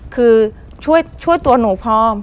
คือช่วยตัวหนูพร้อม